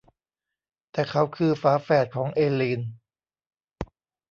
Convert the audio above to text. แต่เขาคือ ฝาแฝดของเอลลีน